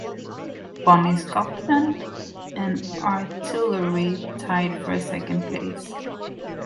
Bonnie Scotland and Artillery tied for second place.